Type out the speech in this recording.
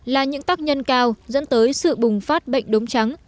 là những tác nhân cao dẫn tới sự bùng phát bệnh đống trắng